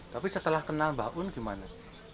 tapi setelah kenal mbah un gimana